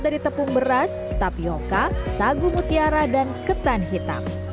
dari tepung beras tapioca sagu mutiara dan ketan hitam